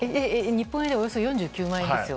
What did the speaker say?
日本円でおよそ４９万円ですよ？